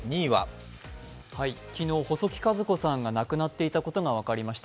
昨日、細木数子さんが亡くなっていたことが分かりました。